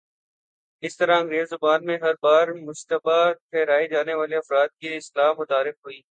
اس طرح انگریزی زبان میں ''ہر بار مشتبہ ٹھہرائے جانے والے افراد "کی اصطلاح متعارف ہوئی۔